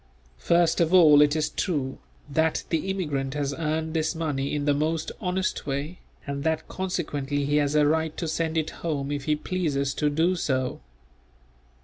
First of all it is true, that the immigrant has earned this money in the most honest way, and that consequently he has a right to send it home if he pleases to do so.